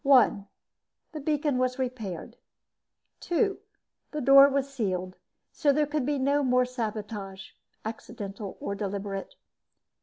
One: The beacon was repaired. Two: The door was sealed, so there should be no more sabotage, accidental or deliberate.